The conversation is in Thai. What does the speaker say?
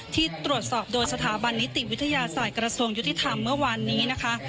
ที่ตรวจสอบโดยสถาบันนิติวิทยาศาสตร์กระทรวงยุติธรรมเมื่อวานนี้นะคะ